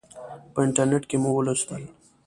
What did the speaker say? په انټرنیټ کې مې ولوستل.